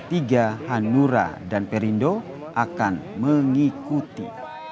tiga hanura dan perindo akan mengikuti